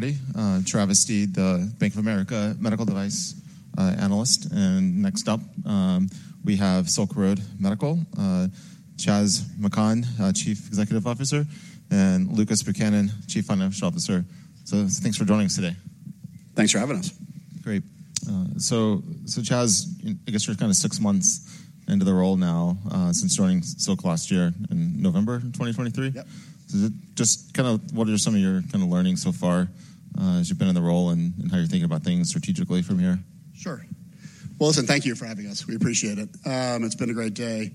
Everybody, Travis Steed, the Bank of America Medical Device analyst. Next up, we have Silk Road Medical, Chas McKhann, Chief Executive Officer, and Lucas Buchanan, Chief Financial Officer. Thanks for joining us today. Thanks for having us. Great. So, Chas, I guess you're kind of six months into the role now, since joining Silk last year in November 2023. Yep. Just kind of what are some of your kind of learnings so far, as you've been in the role and how you're thinking about things strategically from here? Sure. Well, listen, thank you for having us. We appreciate it. It's been a great day.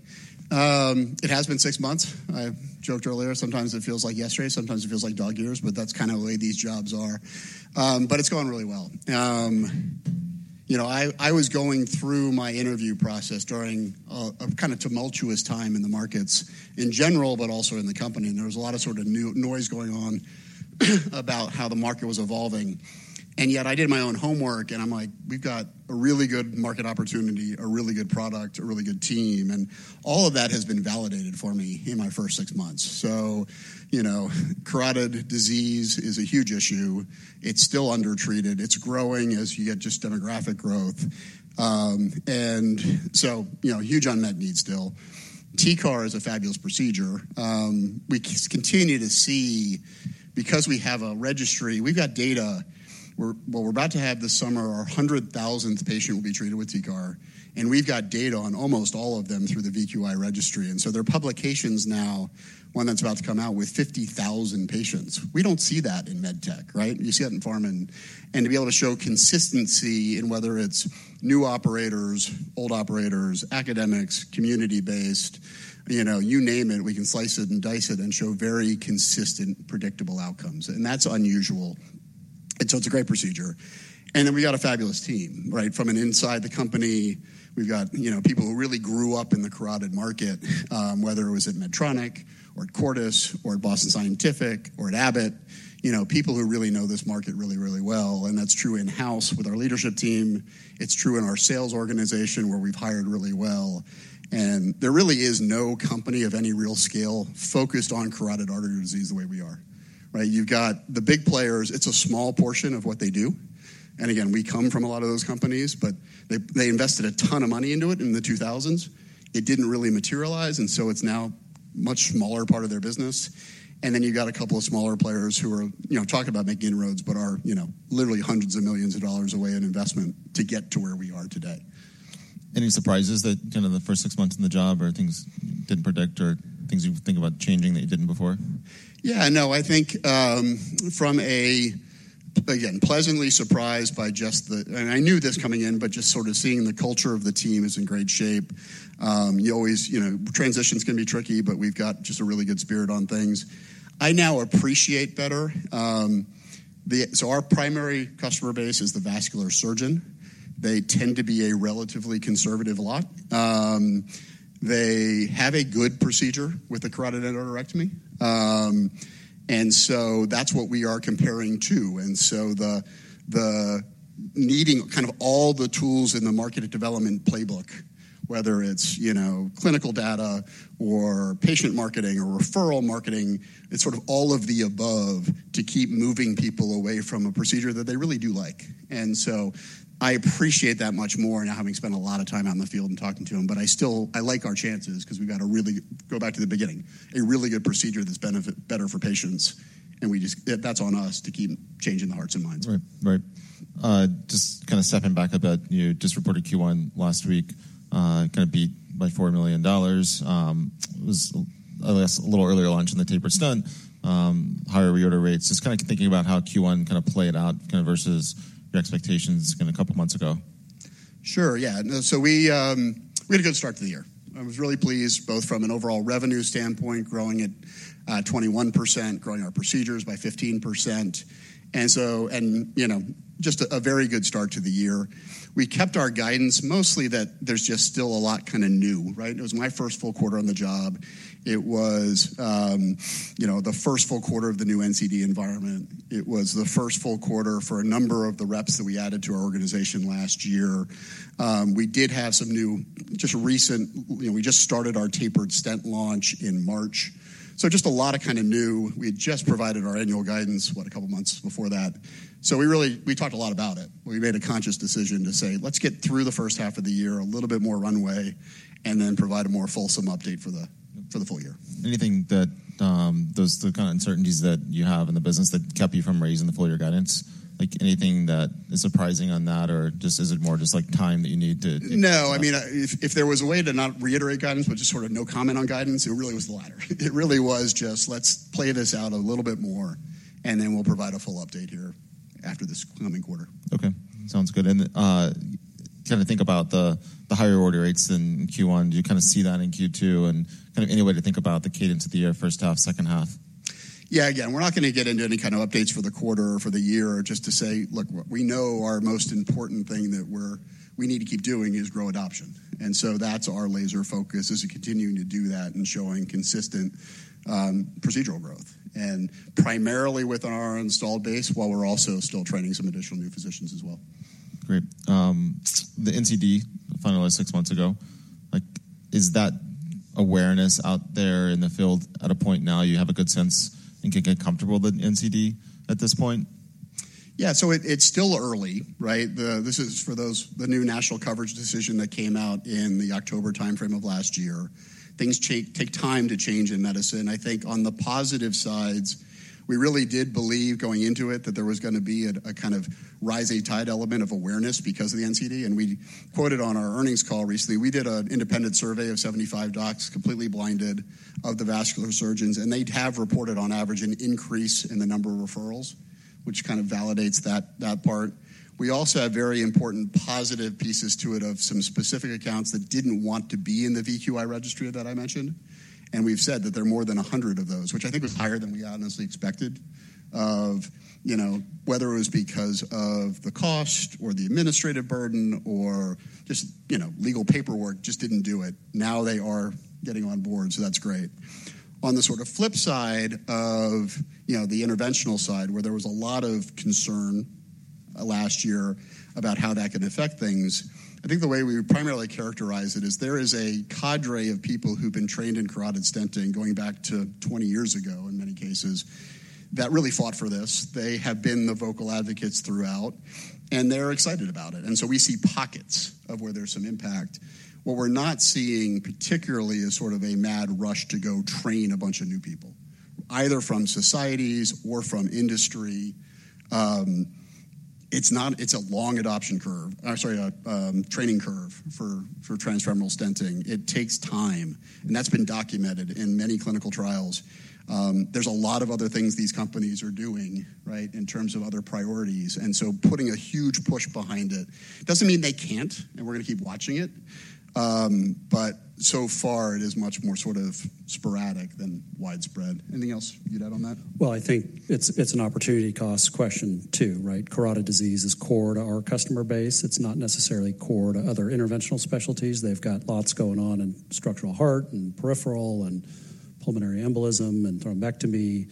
It has been six months. I joked earlier, sometimes it feels like yesterday, sometimes it feels like dog years, but that's kind of the way these jobs are. But it's going really well. You know, I was going through my interview process during a kind of tumultuous time in the markets in general, but also in the company. And there was a lot of sort of new noise going on about how the market was evolving. And yet I did my own homework, and I'm like, "We've got a really good market opportunity, a really good product, a really good team." And all of that has been validated for me in my first six months. So, you know, carotid disease is a huge issue. It's still undertreated. It's growing as you get just demographic growth. And so, you know, huge unmet need still. TCAR is a fabulous procedure. We continue to see because we have a registry we've got data. We're, well, we're about to have this summer our 100,000th patient will be treated with TCAR. And we've got data on almost all of them through the VQI registry. And so there are publications now, one that's about to come out, with 50,000 patients. We don't see that in med tech, right? You see that in pharma. And to be able to show consistency in whether it's new operators, old operators, academics, community-based, you know, you name it, we can slice it and dice it and show very consistent, predictable outcomes. And that's unusual. And so it's a great procedure. And then we've got a fabulous team, right? From inside the company, we've got, you know, people who really grew up in the carotid market, whether it was at Medtronic or at Cordis or at Boston Scientific or at Abbott, you know, people who really know this market really, really well. That's true in-house with our leadership team. It's true in our sales organization where we've hired really well. There really is no company of any real scale focused on carotid artery disease the way we are, right? You've got the big players. It's a small portion of what they do. And again, we come from a lot of those companies, but they, they invested a ton of money into it in the 2000s. It didn't really materialize. So it's now a much smaller part of their business. And then you've got a couple of smaller players who are, you know, talk about making inroads, but are, you know, literally $hundreds of millions away in investment to get to where we are today. Any surprises that kind of the first six months in the job or things you didn't predict or things you think about changing that you didn't before? Yeah. No, I think from a, again pleasantly surprised by just I knew this coming in, but just sort of seeing the culture of the team is in great shape. You always, you know, transition's gonna be tricky, but we've got just a really good spirit on things. I now appreciate better so our primary customer base is the vascular surgeon. They tend to be a relatively conservative lot. They have a good procedure with a Carotid Endarterectomy. And so that's what we are comparing to. And so the needing kind of all the tools in the market development playbook, whether it's, you know, clinical data or patient marketing or referral marketing, it's sort of all of the above to keep moving people away from a procedure that they really do like. I appreciate that much more now having spent a lot of time out in the field and talking to them. But I still like our chances 'cause we've got a really good procedure that's better for patients. And that's on us to keep changing the hearts and minds. Right. Right. Just kind of stepping back a bit, you know, just reported Q1 last week, kind of beat by $4,000,000. It was, I guess, a little earlier launch in the tapered stent, higher reorder rates. Just kind of thinking about how Q1 kind of played out kind of versus your expectations kind of a couple months ago. Sure. Yeah. No, so we had a good start to the year. I was really pleased both from an overall revenue standpoint, growing at 21%, growing our procedures by 15%. And so, you know, just a very good start to the year. We kept our guidance mostly. That there's just still a lot kind of new, right? It was my first full quarter on the job. It was, you know, the first full quarter of the new NCD environment. It was the first full quarter for a number of the reps that we added to our organization last year. We did have some new, just recent, you know, we just started our tapered stent launch in March. So just a lot of kind of new. We had just provided our annual guidance, what, a couple months before that. So we really talked a lot about it. We made a conscious decision to say, "Let's get through the first half of the year, a little bit more runway, and then provide a more fulsome update for the full year. Are those the kind of uncertainties that you have in the business that kept you from raising the full-year guidance? Like, anything that is surprising on that, or is it more just like time that you need to? No. I mean, if there was a way to not reiterate guidance, but just sort of no comment on guidance, it really was the latter. It really was just, "Let's play this out a little bit more, and then we'll provide a full update here after this coming quarter. Okay. Sounds good. And, kind of think about the higher order rates in Q1. Do you kind of see that in Q2 and kind of any way to think about the cadence of the year, first half, second half? Yeah. Again, we're not gonna get into any kind of updates for the quarter or for the year just to say, "Look, we know our most important thing that we need to keep doing is grow adoption." And so that's our laser focus is continuing to do that and showing consistent, procedural growth. And primarily with our installed base, while we're also still training some additional new physicians as well. Great. The NCD, finalized six months ago. Like, is that awareness out there in the field at a point now you have a good sense and can get comfortable with the NCD at this point? Yeah. So it, it's still early, right? This is for the new National Coverage Decision that came out in the October timeframe of last year. Things change take time to change in medicine. I think on the positive sides, we really did believe going into it that there was gonna be a, a kind of rise-a-tide element of awareness because of the NCD. And we quoted on our earnings call recently. We did an independent survey of 75 docs completely blinded of the vascular surgeons. And they have reported on average an increase in the number of referrals, which kind of validates that, that part. We also have very important positive pieces to it of some specific accounts that didn't want to be in the VQI registry that I mentioned. And we've said that there are more than 100 of those, which I think was higher than we honestly expected of, you know, whether it was because of the cost or the administrative burden or just, you know, legal paperwork just didn't do it. Now they are getting on board. So that's great. On the sort of flip side of, you know, the interventional side where there was a lot of concern last year about how that can affect things, I think the way we primarily characterize it is there is a cadre of people who've been trained in Carotid Stenting going back to 20 years ago in many cases that really fought for this. They have been the vocal advocates throughout. And they're excited about it. And so we see pockets of where there's some impact. What we're not seeing particularly is sort of a mad rush to go train a bunch of new people, either from societies or from industry. It's a long adoption curve. I'm sorry, a training curve for transfemoral stenting. It takes time. And that's been documented in many clinical trials. There's a lot of other things these companies are doing, right, in terms of other priorities. And so putting a huge push behind it doesn't mean they can't, and we're gonna keep watching it. But so far, it is much more sort of sporadic than widespread. Anything else you'd add on that? Well, I think it's an opportunity cost question too, right? Carotid disease is core to our customer base. It's not necessarily core to other interventional specialties. They've got lots going on in structural heart and peripheral and pulmonary embolism and thrombectomy.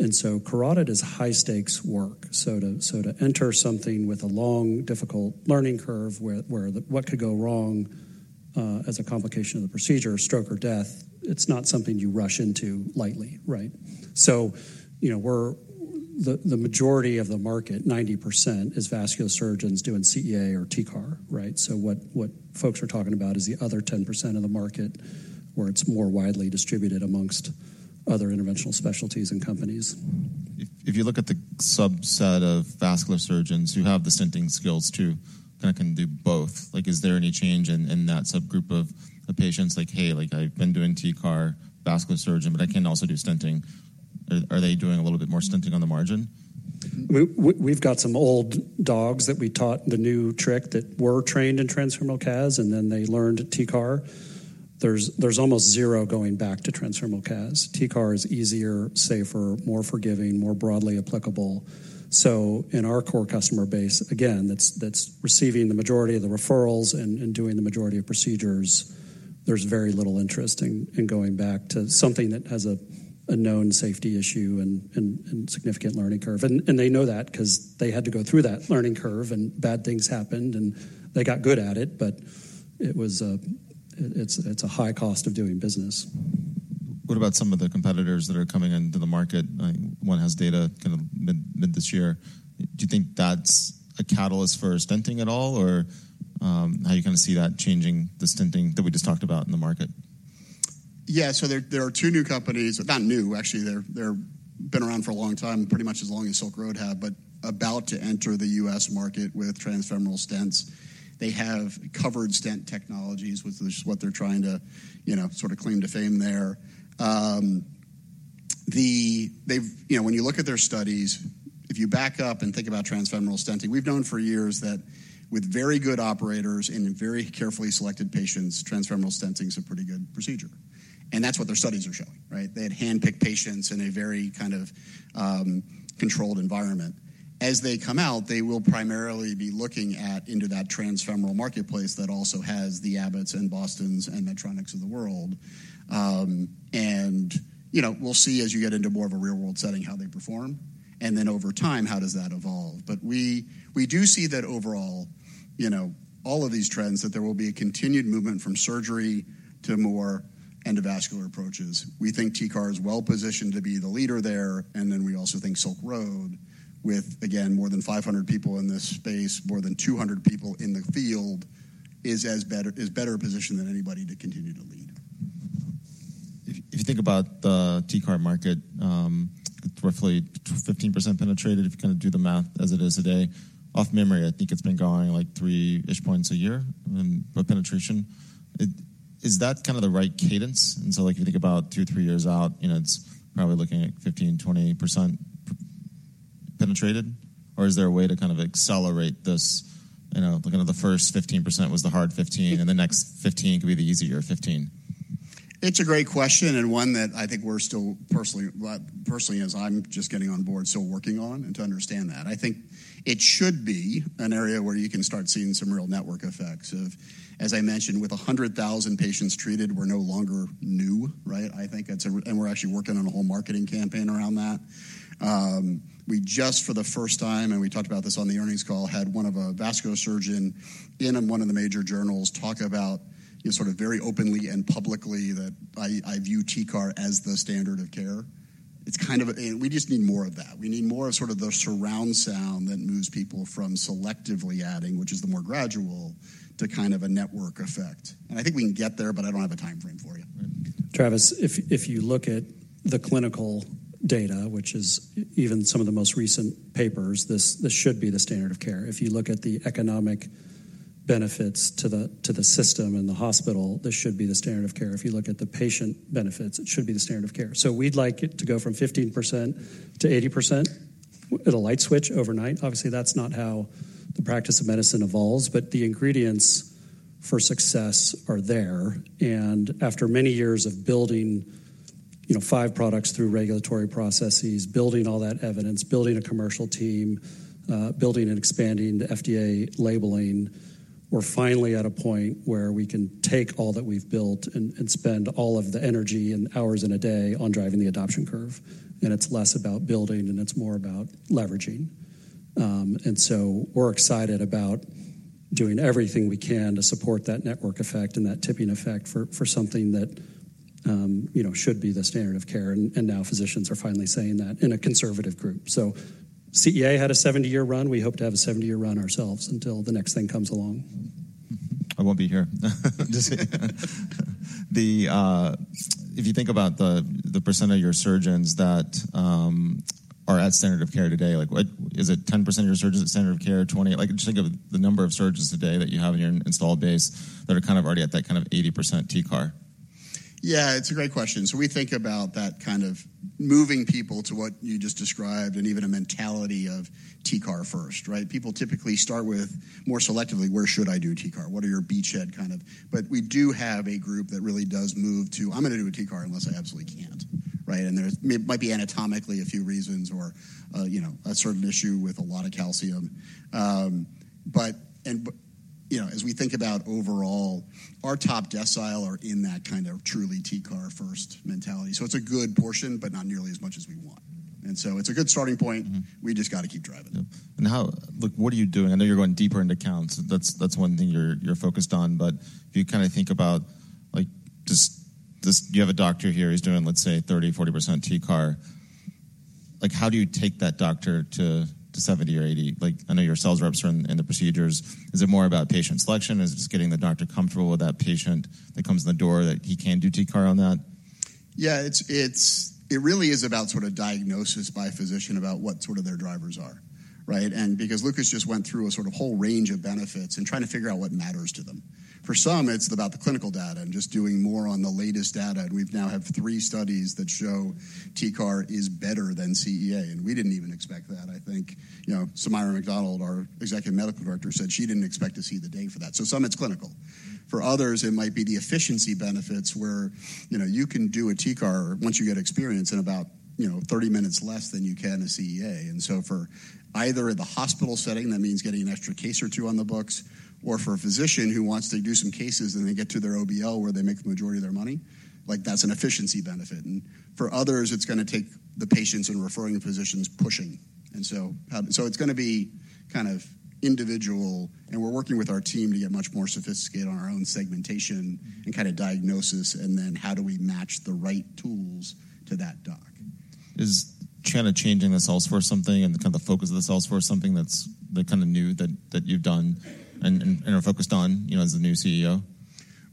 And so carotid is high-stakes work. So to enter something with a long, difficult learning curve where what could go wrong, as a complication of the procedure, stroke or death, it's not something you rush into lightly, right? So, you know, we're the majority of the market, 90%, is vascular surgeons doing CEA or TCAR, right? So what folks are talking about is the other 10% of the market where it's more widely distributed amongst other interventional specialties and companies. If you look at the subset of vascular surgeons who have the stenting skills too, kind of can do both, like, is there any change in that subgroup of patients like, "Hey, like, I've been doing TCAR, vascular surgeon, but I can also do stenting"? Are they doing a little bit more stenting on the margin? We've got some old dogs that we taught the new trick that were trained in transfemoral CAS, and then they learned TCAR. There's almost zero going back to transfemoral CAS. TCAR is easier, safer, more forgiving, more broadly applicable. So in our core customer base, again, that's receiving the majority of the referrals and doing the majority of procedures, there's very little interest in going back to something that has a known safety issue and significant learning curve. They know that 'cause they had to go through that learning curve, and bad things happened, and they got good at it. But it was, it's a high cost of doing business. What about some of the competitors that are coming into the market? I mean, one has data kind of mid, mid this year. Do you think that's a catalyst for stenting at all, or, how you kind of see that changing the stenting that we just talked about in the market? Yeah. So there are two new companies not new, actually. They've been around for a long time, pretty much as long as Silk Road have, but about to enter the US market with transfemoral stents. They have covered stent technologies, which is what they're trying to, you know, sort of claim to fame there. They've you know, when you look at their studies, if you back up and think about transfemoral stenting, we've known for years that with very good operators and very carefully selected patients, transfemoral stenting's a pretty good procedure. And that's what their studies are showing, right? They had handpicked patients in a very kind of controlled environment. As they come out, they will primarily be looking into that transfemoral marketplace that also has the Abbott, Boston Scientific, and Medtronic of the world. And, you know, we'll see as you get into more of a real-world setting how they perform. And then over time, how does that evolve? But we do see that overall, you know, all of these trends, that there will be a continued movement from surgery to more endovascular approaches. We think TCAR is well-positioned to be the leader there. And then we also think Silk Road with, again, more than 500 people in this space, more than 200 people in the field, is better positioned than anybody to continue to lead. If you think about the TCAR market, roughly 15% penetrated if you kind of do the math as it is today. Off memory, I think it's been going like 3-ish points a year in penetration. Is that kind of the right cadence? And so, like, if you think about 2-3 years out, you know, it's probably looking at 15%-20% penetrated? Or is there a way to kind of accelerate this? You know, kind of the first 15% was the hard 15, and the next 15 could be the easier 15. It's a great question and one that I think we're still personally, as I'm just getting on board, still working on and to understand that. I think it should be an area where you can start seeing some real network effects of, as I mentioned, with 100,000 patients treated, we're no longer new, right? I think that's and we're actually working on a whole marketing campaign around that. We just for the first time - and we talked about this on the earnings call - had one of a vascular surgeon in one of the major journals talk about, you know, sort of very openly and publicly that I, I view TCAR as the standard of care. It's kind of a and we just need more of that. We need more of sort of the surround sound that moves people from selectively adding, which is the more gradual, to kind of a network effect. And I think we can get there, but I don't have a timeframe for you. Right. Travis, if you look at the clinical data, which is even some of the most recent papers, this should be the standard of care. If you look at the economic benefits to the system and the hospital, this should be the standard of care. If you look at the patient benefits, it should be the standard of care. So we'd like it to go from 15%-80% at a light switch overnight. Obviously, that's not how the practice of medicine evolves. But the ingredients for success are there. And after many years of building, you know, five products through regulatory processes, building all that evidence, building a commercial team, building and expanding the FDA labeling, we're finally at a point where we can take all that we've built and spend all of the energy and hours in a day on driving the adoption curve. It's less about building, and it's more about leveraging. And so we're excited about doing everything we can to support that network effect and that tipping effect for something that, you know, should be the standard of care. And now physicians are finally saying that in a conservative group. So CEA had a 70-year run. We hope to have a 70-year run ourselves until the next thing comes along. I won't be here. If you think about the percent of your surgeons that are at standard of care today, like, what is it 10% of your surgeons at standard of care, 20%? Like, just think of the number of surgeons today that you have in your installed base that are kind of already at that kind of 80% TCAR. Yeah. It's a great question. So we think about that kind of moving people to what you just described and even a mentality of TCAR first, right? People typically start with more selectively, "Where should I do TCAR? What are your beachhead kind of" but we do have a group that really does move to, "I'm gonna do a TCAR unless I absolutely can't," right? And there's might be anatomically a few reasons or, you know, a certain issue with a lot of calcium, but and, you know, as we think about overall, our top decile are in that kind of truly TCAR-first mentality. So it's a good portion, but not nearly as much as we want. And so it's a good starting point. We just gotta keep driving. Yep. And how, look, what are you doing? I know you're going deeper into counts. That's, that's one thing you're, you're focused on. But if you kind of think about, like, just this you have a doctor here. He's doing, let's say, 30%-40% TCAR. Like, how do you take that doctor to, to 70 or 80? Like, I know your sales reps are in, in the procedures. Is it more about patient selection? Is it just getting the doctor comfortable with that patient that comes in the door that he can do TCAR on that? Yeah. It really is about sort of diagnosis by physician about what sort of their drivers are, right? And because Lucas just went through a sort of whole range of benefits and trying to figure out what matters to them. For some, it's about the clinical data and just doing more on the latest data. And we've now have three studies that show TCAR is better than CEA. And we didn't even expect that, I think. You know, Sumaira Macdonald, our Executive Medical Director, said she didn't expect to see the day for that. So some, it's clinical. For others, it might be the efficiency benefits where, you know, you can do a TCAR once you get experience in about, you know, 30 minutes less than you can a CEA. And so for either in the hospital setting - that means getting an extra case or two on the books - or for a physician who wants to do some cases, and they get to their OBL where they make the majority of their money, like, that's an efficiency benefit. And for others, it's gonna take the patients and referring physicians pushing. And so how so it's gonna be kind of individual. And we're working with our team to get much more sophisticated on our own segmentation and kind of diagnosis, and then how do we match the right tools to that doc. Is Chas changing this elsewhere something and the kind of the focus of this elsewhere something that's the kind of new that you've done and are focused on, you know, as the new CEO?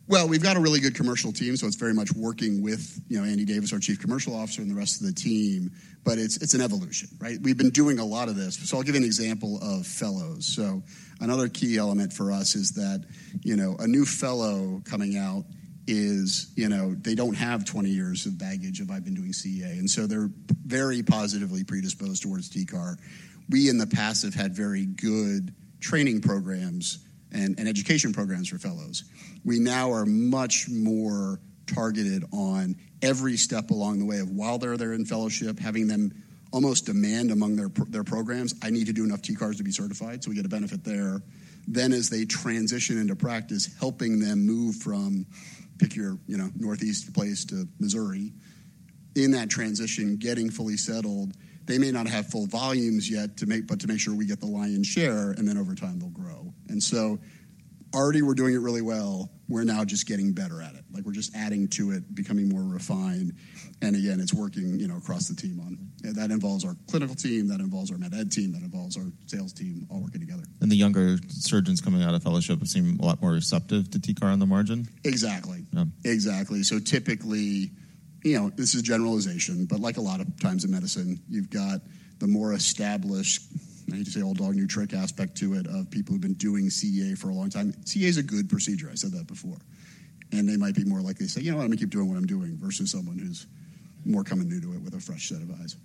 Well, we've got a really good commercial team. So it's very much working with, you know, Andy Davis, our Chief Commercial Officer, and the rest of the team. But it's, it's an evolution, right? We've been doing a lot of this. So I'll give you an example of fellows. So another key element for us is that, you know, a new fellow coming out is, you know, they don't have 20 years of baggage of, "I've been doing CEA." And so they're very positively predisposed towards TCAR. We in the past have had very good training programs and, and education programs for fellows. We now are much more targeted on every step along the way of while they're there in fellowship, having them almost demand among their programs, "I need to do enough TCARs to be certified," so we get a benefit there. Then as they transition into practice, helping them move from pick your, you know, Northeast place to Missouri, in that transition, getting fully settled, they may not have full volumes yet to make but to make sure we get the lion's share, and then over time, they'll grow. And so already, we're doing it really well. We're now just getting better at it. Like, we're just adding to it, becoming more refined. And again, it's working, you know, across the team. That involves our clinical team. That involves our MedEd team. That involves our sales team, all working together. The younger surgeons coming out of fellowship have seemed a lot more receptive to TCAR on the margin. Exactly. Yeah. Exactly. So typically, you know, this is generalization. But like a lot of times in medicine, you've got the more established - I hate to say old dog, new trick - aspect to it of people who've been doing CEA for a long time. CEA is a good procedure. I said that before. And they might be more likely to say, "You know what? I'm gonna keep doing what I'm doing," versus someone who's more coming new to it with a fresh set of eyes.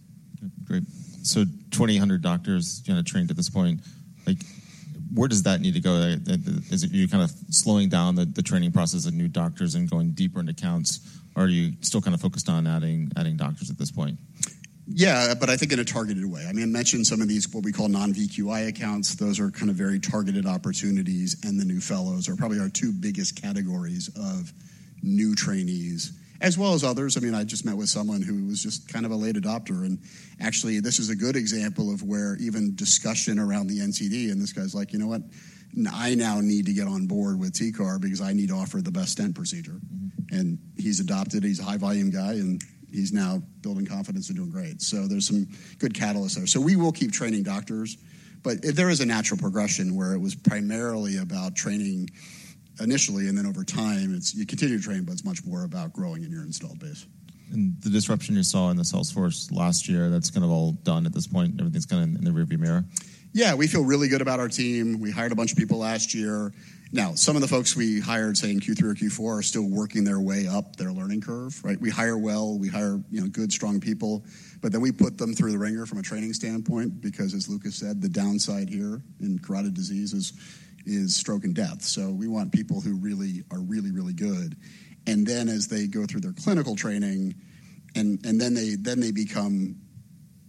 Yep. Great. So 2,800 doctors kind of trained at this point. Like, where does that need to go? Is it you're kind of slowing down the training process of new doctors and going deeper into counts? Or are you still kind of focused on adding doctors at this point? Yeah. But I think in a targeted way. I mean, I mentioned some of these what we call non-VQI accounts. Those are kind of very targeted opportunities. And the new fellows are probably our two biggest categories of new trainees, as well as others. I mean, I just met with someone who was just kind of a late adopter. And actually, this is a good example of where even discussion around the NCD, and this guy's like, "You know what? I now need to get on board with TCAR because I need to offer the best stent procedure." And he's adopted. He's a high-volume guy. And he's now building confidence and doing great. So there's some good catalysts there. So we will keep training doctors. But if there is a natural progression where it was primarily about training initially, and then over time, it's you continue to train, but it's much more about growing in your installed base. The disruption you saw in the sales force last year, that's kind of all done at this point? Everything's kind of in the rearview mirror? Yeah. We feel really good about our team. We hired a bunch of people last year. Now, some of the folks we hired, say, in Q3 or Q4, are still working their way up their learning curve, right? We hire well. We hire, you know, good, strong people. But then we put them through the ringer from a training standpoint because, as Lucas said, the downside here in carotid disease is stroke and death. So we want people who really are really, really good. And then as they go through their clinical training and then they become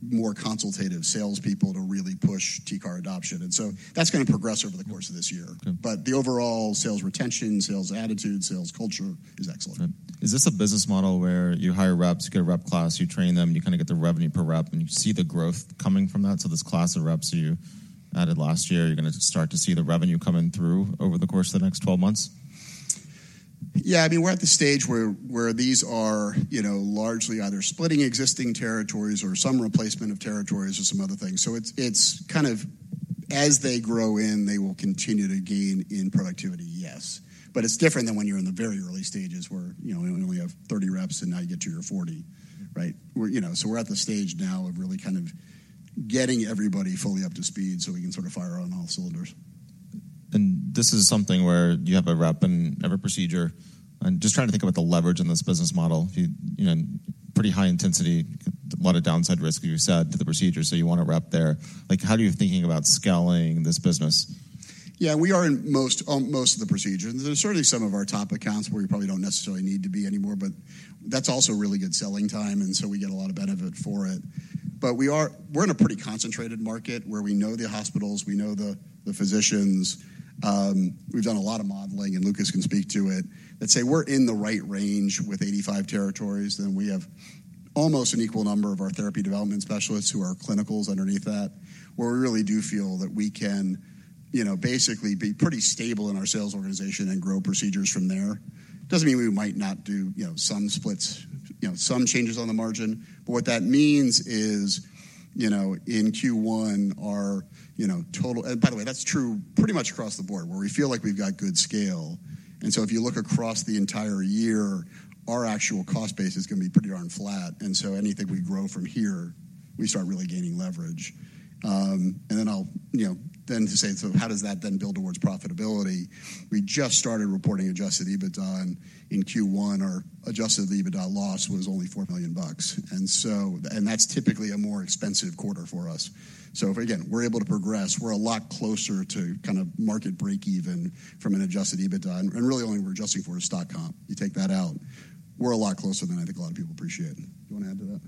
more consultative salespeople to really push TCAR adoption. And so that's gonna progress over the course of this year. Okay. But the overall sales retention, sales attitude, sales culture is excellent. Okay. Is this a business model where you hire reps, you get a rep class, you train them, and you kind of get the revenue per rep, and you see the growth coming from that? So this class of reps you added last year, you're gonna start to see the revenue coming through over the course of the next 12 months? Yeah. I mean, we're at the stage where these are, you know, largely either splitting existing territories or some replacement of territories or some other things. So it's kind of as they grow in, they will continue to gain in productivity, yes. But it's different than when you're in the very early stages where, you know, you only have 30 reps, and now you get to your 40, right? We're, you know, so we're at the stage now of really kind of getting everybody fully up to speed so we can sort of fire on all cylinders. And this is something where you have a rep in every procedure. And just trying to think about the leverage in this business model. You, you know, pretty high intensity, a lot of downside risk, as you said, to the procedure. So you want a rep there. Like, how are you thinking about scaling this business? Yeah. We are in most of the procedure. There's certainly some of our top accounts where we probably don't necessarily need to be anymore. But that's also really good selling time. And so we get a lot of benefit for it. But we are in a pretty concentrated market where we know the hospitals. We know the physicians. We've done a lot of modeling, and Lucas can speak to it, that say we're in the right range with 85 territories. Then we have almost an equal number of our therapy development specialists who are clinicals underneath that, where we really do feel that we can, you know, basically be pretty stable in our sales organization and grow procedures from there. Doesn't mean we might not do, you know, some splits, you know, some changes on the margin. But what that means is, you know, in Q1, our total and by the way, that's true pretty much across the board, where we feel like we've got good scale. And so if you look across the entire year, our actual cost base is gonna be pretty darn flat. And so anything we grow from here, we start really gaining leverage. And then I'll, you know, then to say, "So how does that then build towards profitability?" We just started reporting adjusted EBITDA in Q1. Our adjusted EBITDA loss was only $4,000,000. And so that's typically a more expensive quarter for us. So if again, we're able to progress, we're a lot closer to kind of market break-even from an adjusted EBITDA. And really, all we're adjusting for is stock comp. You take that out. We're a lot closer than I think a lot of people appreciate. You wanna add to that?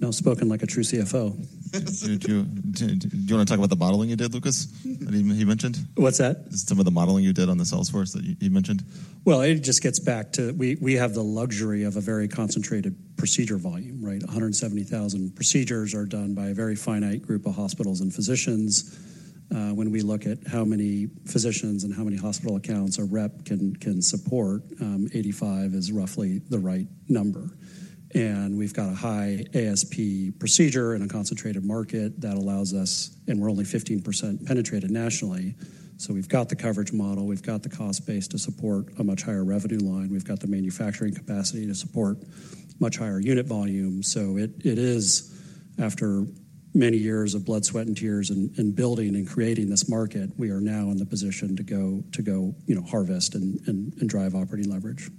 Now spoken like a true CFO. Should you do you wanna talk about the modeling you did, Lucas? That he mentioned? What's that? Some of the modeling you did on the sales force that you mentioned? Well, it just gets back to we have the luxury of a very concentrated procedure volume, right? 170,000 procedures are done by a very finite group of hospitals and physicians. When we look at how many physicians and how many hospital accounts a rep can support, 85 is roughly the right number. And we've got a high ASP procedure in a concentrated market that allows us and we're only 15% penetrated nationally. So we've got the coverage model. We've got the cost base to support a much higher revenue line. We've got the manufacturing capacity to support much higher unit volume. So it is after many years of blood, sweat, and tears and building and creating this market, we are now in the position to go, you know, harvest and drive operating leverage.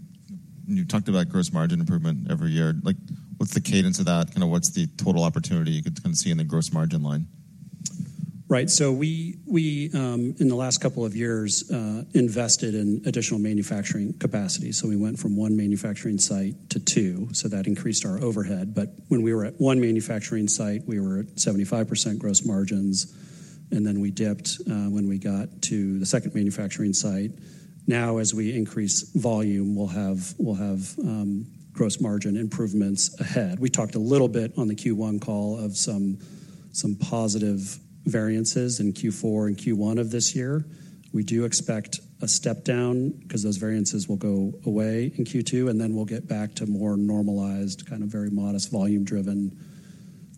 You talked about gross margin improvement every year. Like, what's the cadence of that? Kind of what's the total opportunity you could kind of see in the gross margin line? Right. So we in the last couple of years invested in additional manufacturing capacity. So we went from one manufacturing site to two. So that increased our overhead. But when we were at one manufacturing site, we were at 75% gross margins. And then we dipped when we got to the second manufacturing site. Now, as we increase volume, we'll have gross margin improvements ahead. We talked a little bit on the Q1 call of some positive variances in Q4 and Q1 of this year. We do expect a step down 'cause those variances will go away in Q2. And then we'll get back to more normalized, kind of very modest volume-driven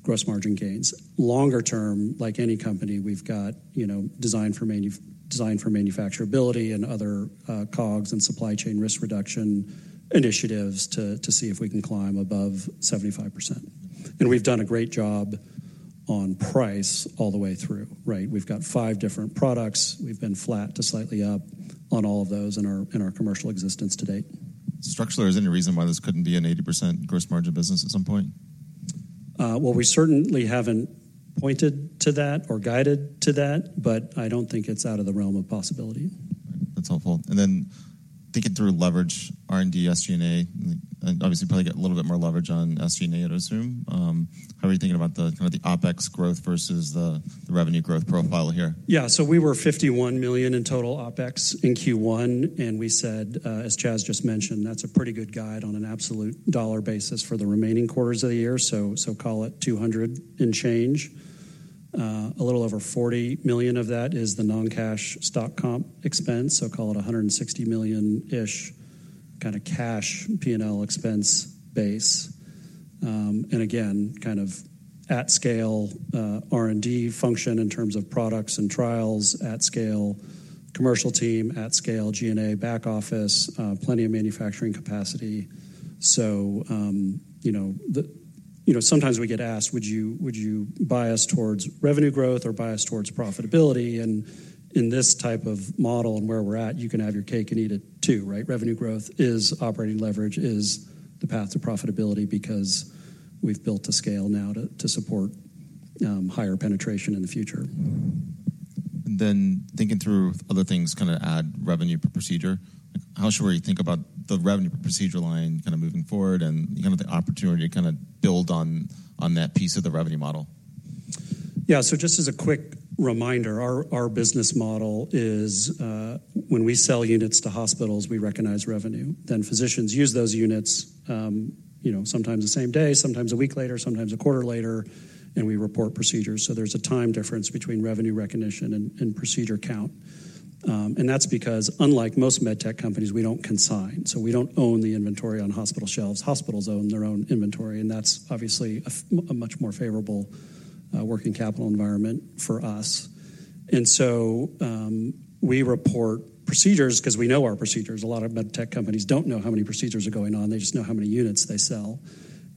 gross margin gains. Longer term, like any company, we've got, you know, design for manuf design for manufacturability and other, COGS and supply chain risk reduction initiatives to see if we can climb above 75%. And we've done a great job on price all the way through, right? We've got 5 different products. We've been flat to slightly up on all of those in our commercial existence to date. Structurally, is there any reason why this couldn't be an 80% gross margin business at some point? Well, we certainly haven't pointed to that or guided to that. But I don't think it's out of the realm of possibility. Right. That's helpful. And then thinking through leverage, R&D, SG&A, and obviously, probably get a little bit more leverage on SG&A, I'd assume. How are you thinking about the kind of OpEx growth versus the revenue growth profile here? Yeah. So we were $51,000,000 in total OpEx in Q1. And we said, as Chas just mentioned, that's a pretty good guide on an absolute dollar basis for the remaining quarters of the year. So, so call it $200,000,000 and change. A little over $40,000,000 of that is the non-cash stock comp expense. So call it $160,000,000-ish kind of cash P&L expense base. And again, kind of at-scale, R&D function in terms of products and trials at scale, commercial team at scale, G&A back office, plenty of manufacturing capacity. So, you know, the you know, sometimes we get asked, "Would you would you bias towards revenue growth or bias towards profitability?" And in this type of model and where we're at, you can have your cake and eat it too, right? Revenue growth is operating leverage, is the path to profitability because we've built to scale now to support higher penetration in the future. Then thinking through other things, kind of add revenue per procedure. How sure are you thinking about the revenue per procedure line kind of moving forward and kind of the opportunity to kind of build on, on that piece of the revenue model? Yeah. So just as a quick reminder, our business model is, when we sell units to hospitals, we recognize revenue. Then physicians use those units, you know, sometimes the same day, sometimes a week later, sometimes a quarter later. And we report procedures. So there's a time difference between revenue recognition and procedure count. And that's because, unlike most MedTech companies, we don't consign. So we don't own the inventory on hospital shelves. Hospitals own their own inventory. And that's obviously a much more favorable working capital environment for us. And so, we report procedures 'cause we know our procedures. A lot of MedTech companies don't know how many procedures are going on. They just know how many units they sell.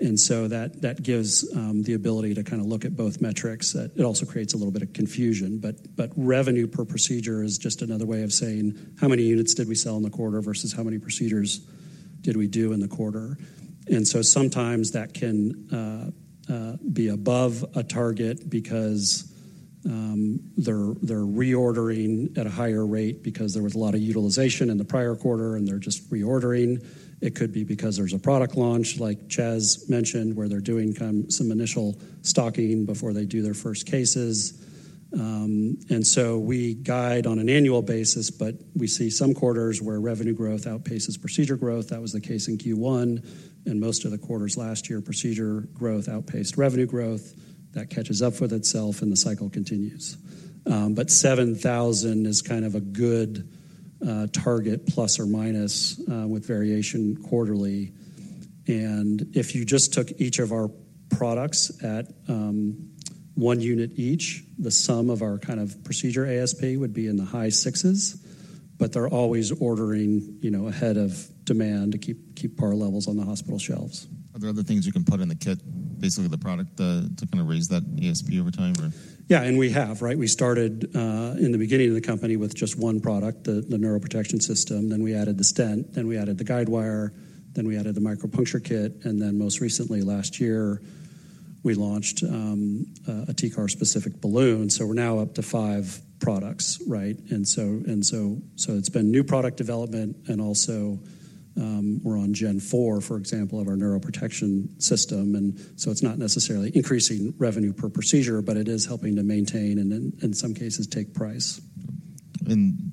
And so that gives the ability to kind of look at both metrics. It also creates a little bit of confusion. But revenue per procedure is just another way of saying, "How many units did we sell in the quarter versus how many procedures did we do in the quarter?" And so sometimes, that can be above a target because they're reordering at a higher rate because there was a lot of utilization in the prior quarter, and they're just reordering. It could be because there's a product launch, like Chas mentioned, where they're doing kind of some initial stocking before they do their first cases. And so we guide on an annual basis. But we see some quarters where revenue growth outpaces procedure growth. That was the case in Q1. And most of the quarters last year, procedure growth outpaced revenue growth. That catches up with itself, and the cycle continues. But 7,000 is kind of a good target plus or minus, with variation quarterly. If you just took each of our products at one unit each, the sum of our kind of procedure ASP would be in the high sixes. They're always ordering, you know, ahead of demand to keep par levels on the hospital shelves. Are there other things you can put in the kit, basically the product, to kind of raise that ASP over time, or? Yeah. And we have, right? We started, in the beginning of the company with just one product, the neuroprotection system. Then we added the stent. Then we added the guidewire. Then we added the micropuncture kit. And then most recently, last year, we launched a TCAR-specific balloon. So we're now up to 5 products, right? And so, and so, so it's been new product development. And also, we're on Gen 4, for example, of our neuroprotection system. And so it's not necessarily increasing revenue per procedure, but it is helping to maintain and, and in some cases, take price.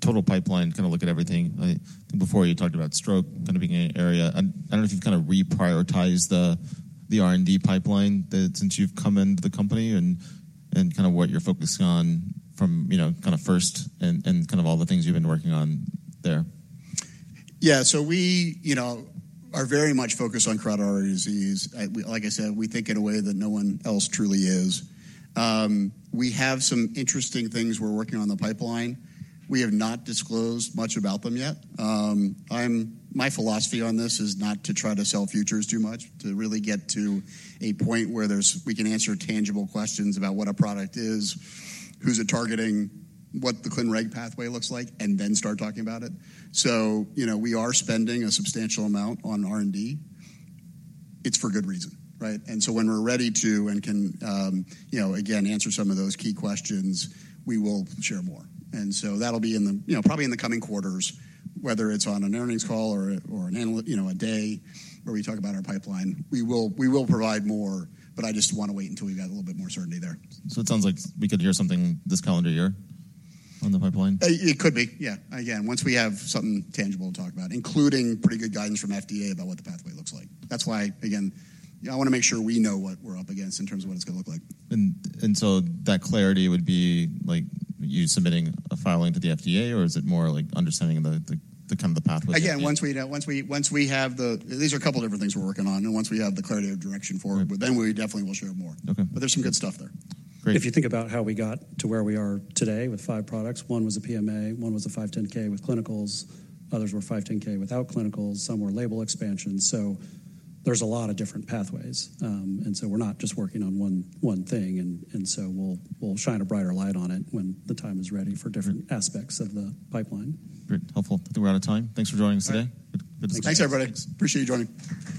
Total pipeline, kind of look at everything. I think before you talked about stroke kind of being an area. And I don't know if you've kind of reprioritized the R&D pipeline since you've come into the company and kind of what you're focusing on from, you know, kind of first and kind of all the things you've been working on there. Yeah. So we, you know, are very much focused on carotid artery disease. We, like I said, we think in a way that no one else truly is. We have some interesting things we're working on in the pipeline. We have not disclosed much about them yet. My philosophy on this is not to try to sell futures too much, to really get to a point where we can answer tangible questions about what a product is, who's it targeting, what the ClinReg pathway looks like, and then start talking about it. So, you know, we are spending a substantial amount on R&D. It's for good reason, right? And so when we're ready to and can, you know, again, answer some of those key questions, we will share more. And so that'll be in the, you know, probably in the coming quarters, whether it's on an earnings call or an analyst day where we talk about our pipeline. We will we will provide more. But I just wanna wait until we've got a little bit more certainty there. So it sounds like we could hear something this calendar year on the pipeline? It could be, yeah, again, once we have something tangible to talk about, including pretty good guidance from FDA about what the pathway looks like. That's why, again, you know, I wanna make sure we know what we're up against in terms of what it's gonna look like. So that clarity would be, like, you submitting a filing to the FDA? Or is it more, like, understanding the kind of pathway? Again, once we know, once we have. These are a couple different things we're working on. And once we have the clarity of direction for it, but then we definitely will share more. Okay. There's some good stuff there. Great. If you think about how we got to where we are today with five products, one was a PMA. One was a 510(k) with clinicals. Others were 510(k) without clinicals. Some were label expansion. So there's a lot of different pathways. And so we're not just working on one, one thing. And, and so we'll, we'll shine a brighter light on it when the time is ready for different aspects of the pipeline. Great. Helpful. I think we're out of time. Thanks for joining us today. All right. Good, good discussion. Thanks, everybody. Appreciate you joining.